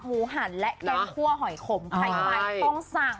หมูหันและแข็งคั่วหอยขมใครไว้ต้องสั่ง